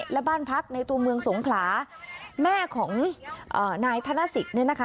และบ้านพักในตัวเมืองสงขลาแม่ของนายธนสิทธิ์เนี่ยนะคะ